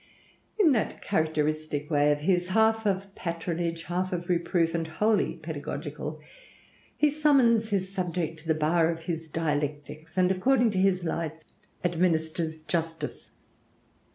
In that characteristic way of his, half of patronage, half of reproof, and wholly pedagogical, he summons his subject to the bar of his dialectics, and according to his lights administers justice.